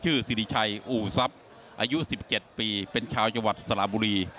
ชื่อซิริชัยอูซับอายุ๑๗ปีเป็นชาวจังหวัดสลบุรี